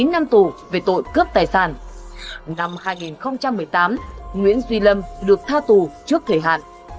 năm hai nghìn một mươi tám nguyễn duy lâm được tha tù trước thể hạn